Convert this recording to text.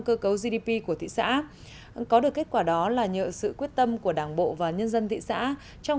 cơ cấu gdp của thị xã có được kết quả đó là nhờ sự quyết tâm của đảng bộ và nhân dân thị xã trong